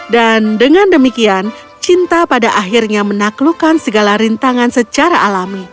dan dengan demikian cinta pada akhirnya menaklukkan segala rintangan secara alami